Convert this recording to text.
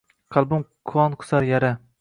Qalbim qon qusar, yara…